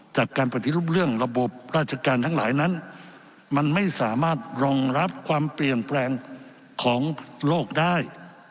จากการปฏิรูปเรื่องระบบราชการทั้งหลายนั้นมันไม่สามารถรองรับความเปลี่ยนแปลงของโลกได้